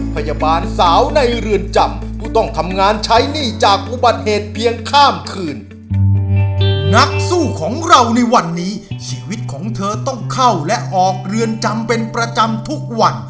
เพราะฉะนั้นตอนนี้ขอเชิญคุณโอบนเวทีนะครับเชิญครับ